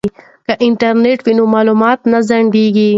که انټرنیټ وي نو معلومات نه ځنډیږي.